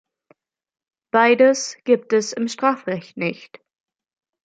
Beides gibt es im Strafrecht nicht.